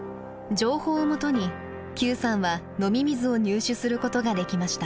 情報をもとに邱さんは飲み水を入手することができました。